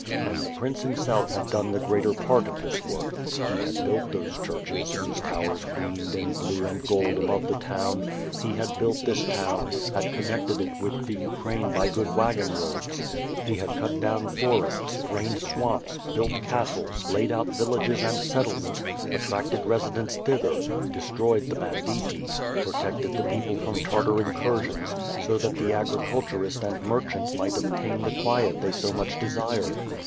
And the prince himself had done the greater part of this work; he had built those churches, whose towers gleamed in blue and gold above the town; he had built this town, had connected it with the Ukraine by good wagon roads; he had cut down forests, drained swamps, built castles, laid out villages and settlements, attracted resi dents thither, destroyed the banditti, protected the people from Tartar incursions, so that the agriculturist and mer chant might obtain the quiet they so much desired.